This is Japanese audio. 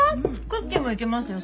クッキーもいけますよ